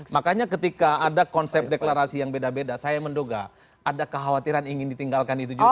makanya ketika ada konsep deklarasi yang beda beda saya menduga ada kekhawatiran ingin ditinggalkan itu juga